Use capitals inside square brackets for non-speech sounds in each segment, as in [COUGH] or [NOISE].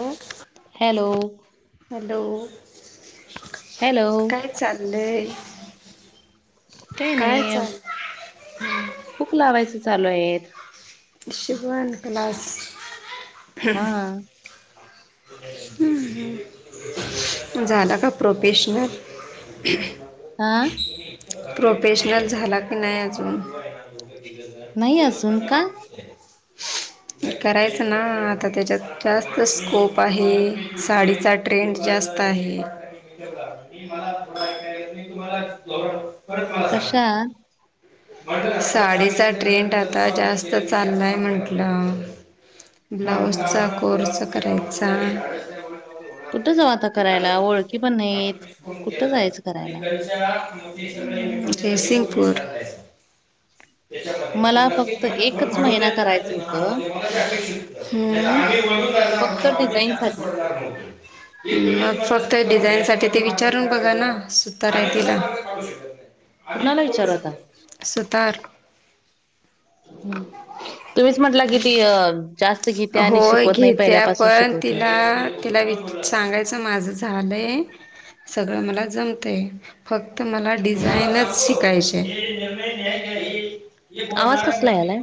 Hello hello. Hello hello काय चालंलय? काय नाही. खूप लावायचं चालू आहे. शिवन क्लास. हा हम्म झालं का प्रोफेशनल? आं. प्रोफेशनल झाला की नाही अजून? नाही अजून का करायचं ना आता त्याच्यात- जास्त स्कोप आहे साडीचा ट्रेंड जास्त आहे. म मला मी तुम्हाला- मला सांगा कशा आहात? साडीचा ट्रेंड आता जास्त चाललाय म्हटलं. हम्म हम्म हम्म ब्लाऊजचा कोर्स करायचा. कुठं जाऊ आता करायला ओळखी पण नाहीेत कुठं जायचं करायला? जयसिंगपूर. त्याच्यामध्ये- मला हम्म. फक्त ते एकच महिना करायचं होतं फक्त डिझाईन असच साठी पडणार नव्हत. मग फक्त डिझाईनसाठी ते विचारून बघा ना सुतारा आहे तिला. ह नाही कुणाला विचारू आता? सुतार. तुम्हीच म्हंटला कि ती अ- जास्त घेत्या आणि होय शिकवत नाही घेत्या पहिल्यापासून पण शिकवत्या तिला- तिला वि सांगायचं माझं झालंय सगळं मला जमतय. फक्त मला डिझाईनच शिकायचे. आवाज कसला यालाय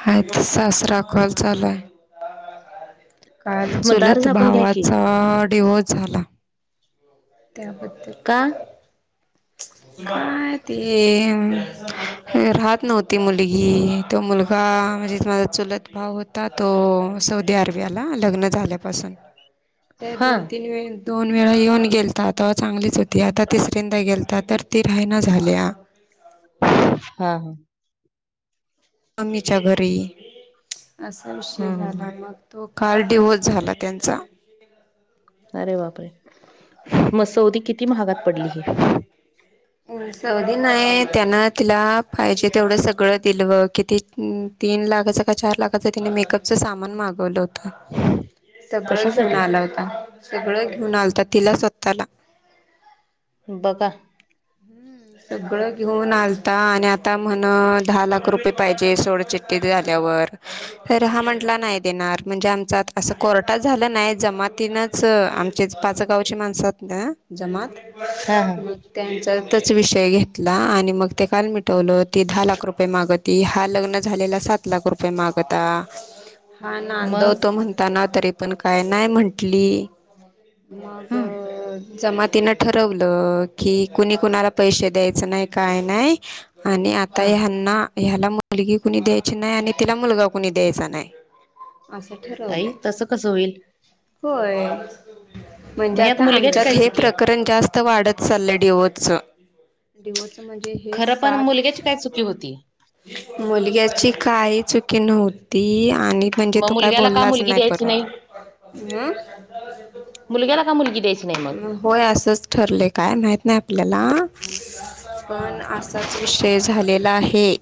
हा तस अस - त्रखल चालूए. काल मग दार चुलत झाकून घ्या की भावाचा डिवोर्स झाला. त्याबद्दल- का? काय ते- राहत नव्हती मुलगी तो मुलगा म्हणजे माझा चुलत भाव होत- ता तो सौदी अरेबियाला लग्न झाल्यापासून- ते हा हा दोन तीन वेळ दोन वेळा येऊन गेल- ता चांगलीच होती आता तिसऱंदा गेलता तर ती रायना झाल्या. हा हा मम्मीच्या घरी असा विषय हम्म हम्म झाला मग- तो काल डिव्होर्स झाला त्यांचा- अरे बापरे! म सौदी किती महागात पडली ही. उ सवदी नाही त्यान तिला पाहिजे तेवढं सगळं दिल किती तीन लाखाचं का चार लाखाचं तिने मेकअपचं सामान मागवलं होतं. सगळं घेऊन कशासाठी आला होता, सगळं घेऊन आलता तिला स्वतःला. बघा. सगळं घेऊन आलता आणि आता म्हण दहा लाख रुपये पाहिजे सोड चिट्टी झाल्यावर. तर हा म्हंटला नाही देणार म्हणजे आमचा असं कोर्टात झालं नाही जमातीनच आमचे पाच गावचे माणस ना जमात हा हा त्यांच्या विषय घेतला आणि मग ते काल मिटवलं, ती दहा लाख रुपये माग त हा लग्न झालेला सात लाख रुपये मागत. हा मग नांदवतो म्हणताना तरी पण काय नाही म्हंटली. मग, हम्म जमातीनं ठरवलं की कुणी कुणाला पैसे द्यायच नाही काय नाही आणि आता हम्म ह्यांना. ह्याला मुलगी कुणी द्यायची नाही आणि तिला मुलगा कुणी द्यायचा नाही. असं आई ठरवलंय तसं कसं होईल? होय, मग म्हणजे ह्यात आता मुलग्याची काय आमच्यात हे चुकी आहे प्रकरण जास्त तर वाढत चाल डेवोच. हो [UNINTELLIGIBLE] खरं पण मुलग्याची काय चुकी होती? मुलग्याची काही चुकी नव्हती आणि म्हणजे मग तो काय मुलग्याला का बोललाच मुलगी नाही द्यायची परत मुलग्याला का मुलगी द्यायची नाही मग होय असंच ठरले काय माहत नाही आपल्याला पण हम्म असाच विषय झालेला आहे.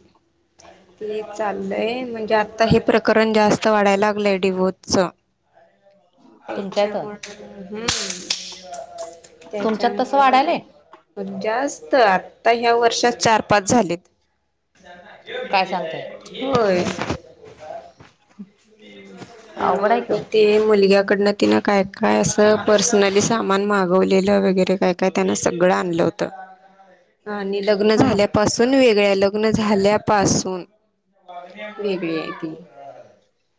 ते चाललंय म्हणजे आता हे प्रकरण जास्त वाढायला लागलंय डीवोच. तुमच्यात च्छामुळे, हम् तुमच्यात तसं वाढायलय? पण जास्त आता ह्या वर्षात चार पाच झालेत. काय सांगताय होय. अवघड आहे की म ओ ते मुलग्याकडनं. तिनं काय काय असं पर्सनली सामान मागवलेलं वगैरे काय काय त्यांना सगळं आणलं होतं. आणि लग्न झाल्यापासून वेगळ्या, लग्न झाल्यापासून. वेगळी आहे ती.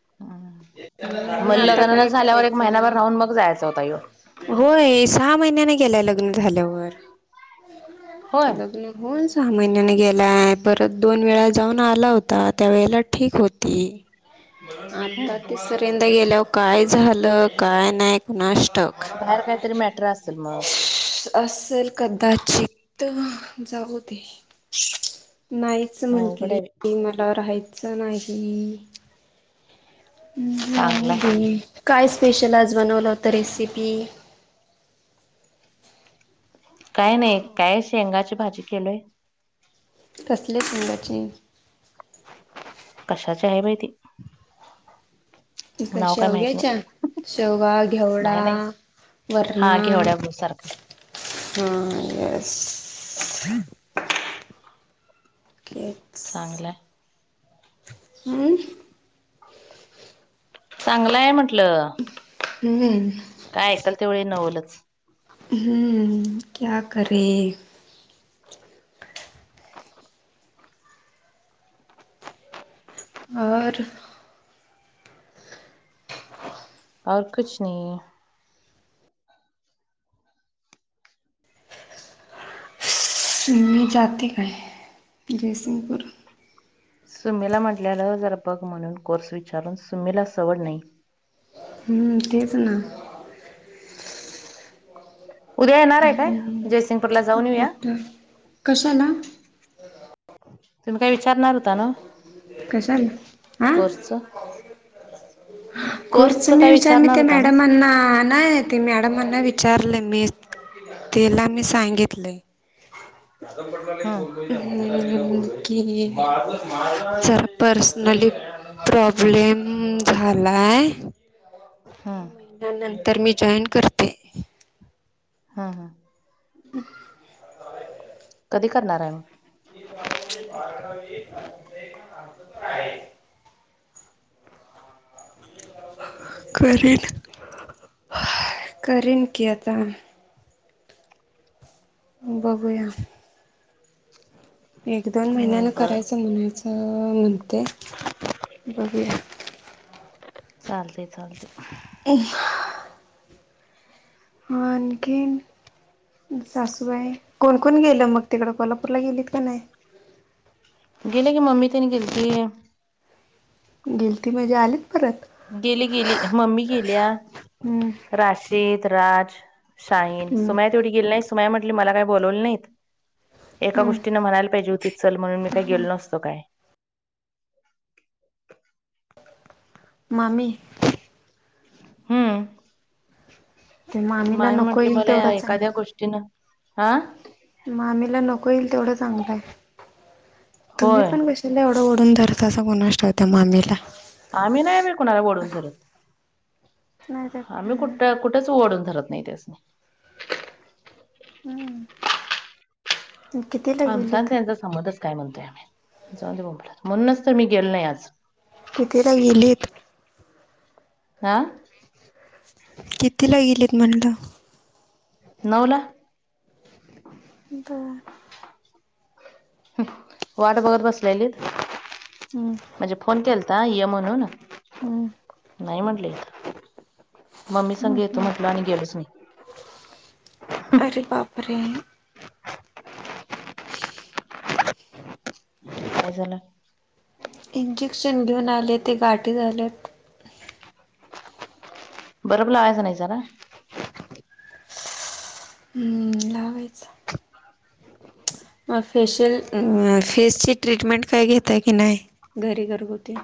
हम्म नाही मग ना आता लग्न न काय झाल्यावर एक करायचं महिनाभर मग. राहून जायचा होता ह्यो होय, सहा महिन्याने गेलाय लग्न झाल्यावर होय लग्न. होन सहा महिन्याने गेलाय, परत दोन वेळा जाऊन आला होता त्या वेळेला ठीक होती. हम्म आता तिसऱ्यांदा गेल्यावर काय झालं काय नाही कुणाष्ट बाहेर काहीतरी मॅटर असेल मग. असल कदाचित, जाऊते. नाहीच अवघड आहे बाई म्हटली मला राहायचं नाही. जाऊ चांगलाय दे काय स्पेशल आज बनवलं होत रेसिपी. काय नाही, काय शेंगाची भाजी केलोय. कसली शिंगाची. कशाची आहे बाई ती. काय नाव माहित नाही शेवग्याच्या, शेवगा घेवडा? नाही नाही हा वरणा घेवड्या सारखं हम् एस. कि [INAUDIBLE] चांगलं. हम. चांगलं आहे म्हंटलं हम्म काय ऐकाल तेवढ नवलच. हम. क्या करे? और? औ कुछ नाही आहे. मी जाती काय जयसिंगपूर. सुमीला म्हटल्याला जरपग म्हणून कोर्स विचारून सुमीला सवड नाही. हम्म तेच ना. उद्या येणार आहे काय हम्म जयसिंगपूरला जाऊन खूप येऊया. मोठं कशाला तुम्ही काय विचारणार होता ना. कशाल आा. कोर्सच खुर्च कोर्सच मी काय विचार म विचारणार ते होता ना मॅडमांना नाही. ते मॅडमांना विचारले मी तला मी सांगितले. [UNINTELLIGIBLE] हम्म जरा पर्सनली प्रॉब्लेम झालाय. हा. त्या नंतर मी जॉईन करते. हा हा हम कधी करणार आहे मग. [UNINTELLIGIBLE] करेन करेन कि आता. बघूया. एक दोन महिन्यानं मग बर करायचं म्हणायचं म्हणते बघूया. चालते चालते. [UNINTELLIGIBLE] मं आणि काय नाही. सासूबाई कोणकोण गेलं मग तिकडे कोल्हापूरला गेलीत का नाही. गेले की मम्मी तिने गेलतीय. गेल ती म्हणजे आलीत परत. गेली गेली मम्मी गेल्या हम्म राशेद राज. शाईन सुमया तेवढी गेली नाही सुमया म्हटली मला काही बोलवले नाहीत. एका गोष्टीन म्हणायला पाहिजे होतीि चल म्हणून मी काही गेलो नसतो काय. मामी. हम्म. ते मामीला माय नको म्हंटले येईल मला तेवढं चांगलं एखाद्या गोष्टीनं हा. मामीला नको येईल तेवढं चांगलंय तुम्ही होय पण क तिला एवढं ओडून धरत असा गुणाष्टतव त्या मामीला. आम्ही नाही मी कुणाला ओडून धरत. आम्ही कुठ कुठेच ओडून धरत नाही त्याच. आमचा त्यांचा संबंधच काय म्हणतोय आम्ही जाऊ म्हणूनच तर मी गेलो नाही आज. कि तर गेलीत. हा. कितीला गेलेत म्हणलं. नऊला. बर. वाट बघत बसलेली. हम. म्हणजे फोन केलता य म्हणून. हम्म नाही म्हटले मम्मी संांग येतो म्हटलं आणि गेलच मी. अरे बापरे! [INAUDIBLE] बरं झालं. इंजेक्शन घेऊन आले ते गाठीे झालेत बर्फ लावायचं नाही जरा हम्म लावायच मग फेशियल आ फेसची ट्रीटमेंट काय घेताय आहे की नाही? घरी घरगुती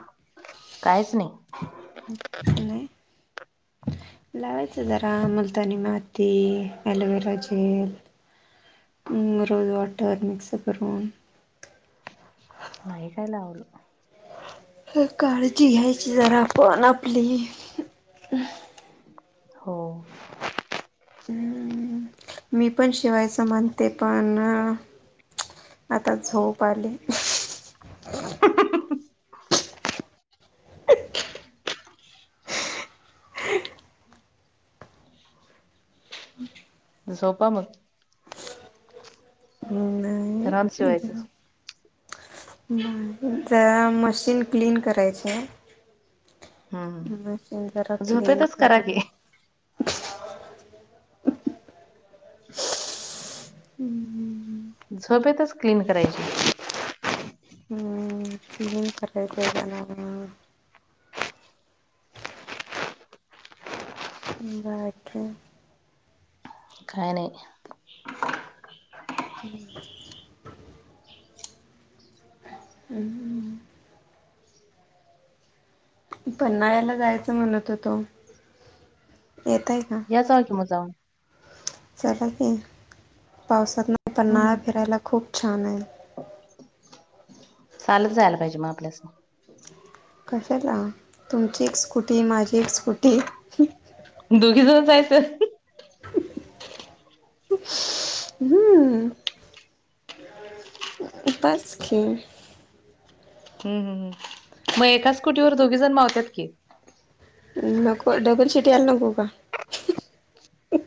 कायच नाही [UNINTELLIGIBLE] लावायचं जरा मुलतानी माती aloe vera gel rose water mix करून नाही काय लावलं काळजी घ्यायची जरा आपण आपली हंम हो मी पण शिवायचं म्हणते पण आता झोप आली हं हं हं झोपा मग न नाय रा [UNINTELLIGIBLE] शिवायचं हम् जरा मशीन क्लीन करायची हम्म मशीन जरा क्लीन झोपेतच करा की करून हम्म हम् झोपेतच क्लीन करायची हम्म किलीन करायच जाणार बाकी काय नाही? हम् हहम पन्हाळायाला जायचं म्हणत होतो येताय काय? या जावा कि मग जाऊन चला की पावसातन पन्हाळा हम्म फिरायला खूप छान आहे चालत जायला पाहिजे मग आपल्यासनी कशाला तुमची एक स्कुटी माझी एक स्कुटी दुघी जण जायचं हम् पाचखी हम्म हम् मग एका स्कुटीवर दोघी जण मावतात की नको डबल सीट याला नको का